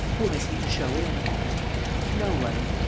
Whom is he to show in?" "No one."